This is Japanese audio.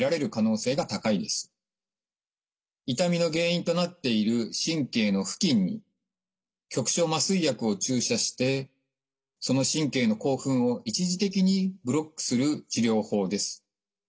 痛みの原因となっている神経の付近に局所麻酔薬を注射してその神経の興奮を一時的にブロックする治療法です。